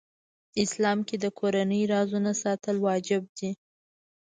اسلام کې د کورنۍ رازونه ساتل واجب دي .